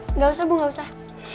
enggak usah ibu enggak usah